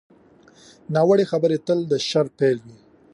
ناوړه خبرې تل د شر پیل وي